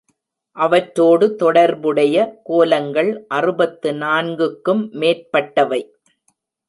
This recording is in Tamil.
அவற்றோடு தொடர்புடைய கோலங்கள் அறுபத்து நான்குக்கும் மேற்பட்டவை.